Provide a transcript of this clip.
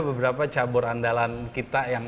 beberapa cabur andalan kita yang